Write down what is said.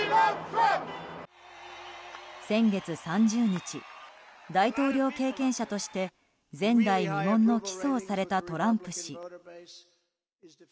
先月３０日大統領経験者として前代未聞の起訴をされたトランプ氏。